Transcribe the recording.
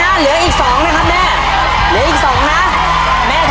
แล้วเดี๋ยวแม่มาช่วยพ่อมัสเลยนะฮะ